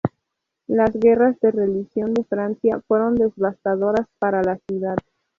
Las Guerras de religión de Francia fueron devastadoras para la ciudad.